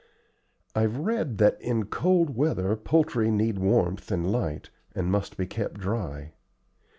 I've read that in cold weather poultry need warmth and light, and must be kept dry.